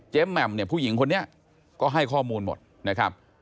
แหม่มเนี่ยผู้หญิงคนนี้ก็ให้ข้อมูลหมดนะครับ